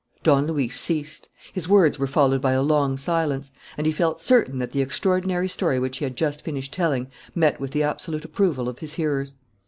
Don Luis ceased. His words were followed by a long silence; and he felt certain that the extraordinary story which he had just finished telling met with the absolute approval of his hearers.